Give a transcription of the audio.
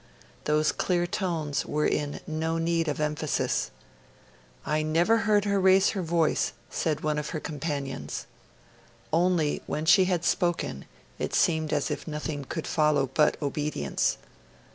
Those clear tones were in no need of emphasis: 'I never heard her raise her voice', said one of her companions. 'Only when she had spoken, it seemed as if nothing could follow but obedience.'